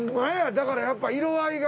だからやっぱ色合いが。